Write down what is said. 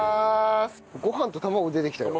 ご飯と卵出てきたよ。